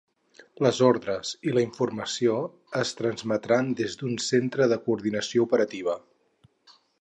Les ordres i la informació es transmetran des d'un Centre de Coordinació Operativa.